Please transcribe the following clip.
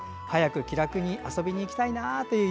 早く気楽に遊びに行きたいなと。